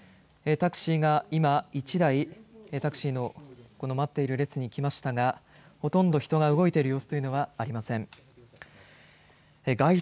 タクシーが今１台タクシーの、この待っている列に来ましたがほとんど人が動いている様子というのはありません。